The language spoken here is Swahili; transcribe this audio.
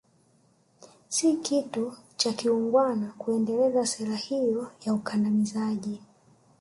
Si kitu cha kiungwana kuendeleza sera hiyo ya ukandamizaji